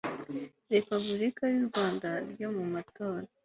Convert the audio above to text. repubulika y u rwanda ryo mumatora